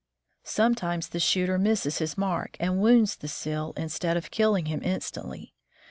Sometimes the shooter misses his mark and wounds the seal instead of killing him instantly.